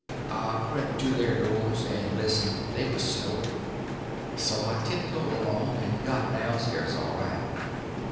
I crept to their doors and listened; they was snoring. So I tiptoed along, and got down stairs all right.